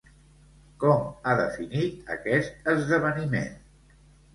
Com ha definit aquest esdeveniment?